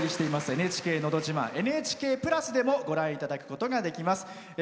「ＮＨＫのど自慢」「ＮＨＫプラス」でもご覧いただくことができます。